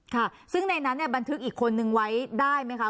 ค่ะซึ่งในนั้นเนี่ยบันทึกอีกคนนึงไว้ได้ไหมคะ